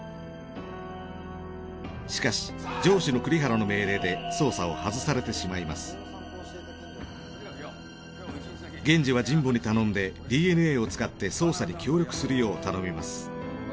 しかし上司の栗原の命令で源次は神保に頼んでＤＮＡを使って捜査に協力するよう頼みます。